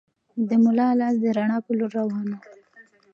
د ملا لاس د رڼا په لور روان و.